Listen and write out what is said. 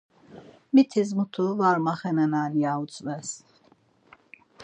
Mitis mutu var maxenenan ya utzves..